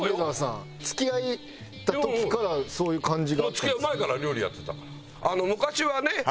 もう付き合う前から料理やってたから。